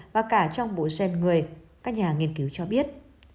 và cả trong bộ gen người các nhà nghiên cứu cho biết